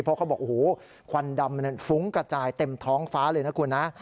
เพราะเขาบอกโอ้โหควันดำมันฟุ้งกระจายเต็มท้องฟ้าเลยนะคุณนะ